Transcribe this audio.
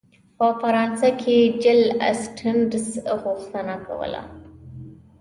په فرانسه کې جل اسټټس غوښتنه کوله.